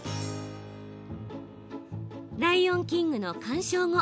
「ライオンキング」の鑑賞後